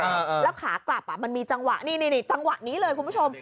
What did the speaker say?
แล้วขากลับอ่ะมันมีจังหวะนี่นี่จังหวะนี้เลยคุณผู้ชม